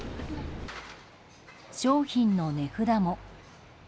商品の値札も。